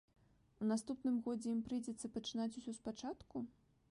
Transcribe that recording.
У наступным годзе ім прыйдзецца пачынаць усё спачатку?